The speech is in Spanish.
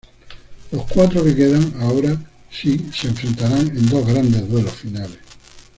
Los cuatro que quedan, ahora sí, se enfrentarán en dos grandes duelos finales.